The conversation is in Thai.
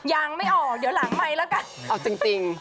ยังไม่ออกเดี๋ยวหลังไมบันไดละกัน